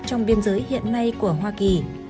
trong biên giới hiện nay của hoa kỳ